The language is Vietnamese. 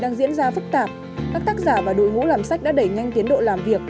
đang diễn ra phức tạp các tác giả và đội ngũ làm sách đã đẩy nhanh tiến độ làm việc